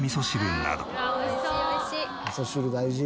味噌汁大事。